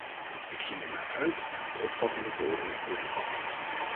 Ik zie ernaar uit om uw opvattingen te horen in dit debat.